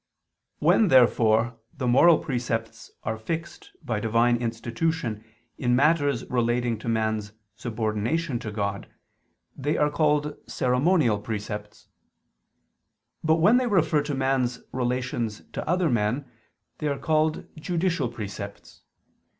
When therefore the moral precepts are fixed by Divine institution in matters relating to man's subordination to God, they are called "ceremonial" precepts: but when they refer to man's relations to other men, they are called "judicial" precepts.